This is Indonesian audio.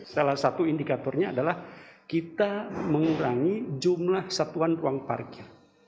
salah satu indikatornya adalah kita mengurangi jumlah satuan ruang parkir